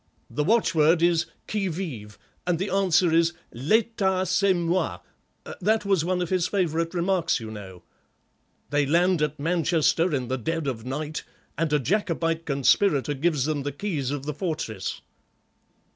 The watchword is Qui vive? and the answer is L'état c'est moi—that was one of his favourite remarks, you know. They land at Manchester in the dead of the night, and a Jacobite conspirator gives them the keys of the fortress."